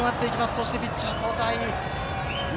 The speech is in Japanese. そして、ピッチャー交代。